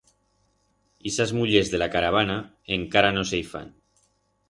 Ixas mullers de la caravana encara no se i fan.